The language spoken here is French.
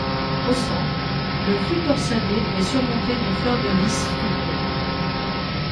Au centre, le fût torsadé est surmonté d'une fleur de lys sculptée.